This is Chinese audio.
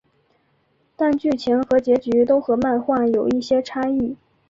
但剧情和结局都和漫画有一些差异。